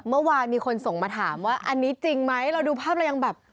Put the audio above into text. เมื่อวานมีคนส่งมาถามว่าอันนี้จริงไหมเราดูภาพเรายังแบบ